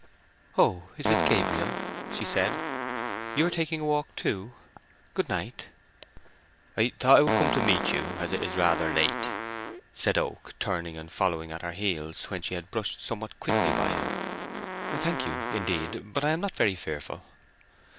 "Oh, is it Gabriel?" she said. "You are taking a walk too. Good night." "I thought I would come to meet you, as it is rather late," said Oak, turning and following at her heels when she had brushed somewhat quickly by him. "Thank you, indeed, but I am not very fearful."